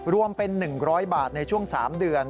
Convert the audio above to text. รวมเป็น๑๐๐บาทในช่วง๓เดือน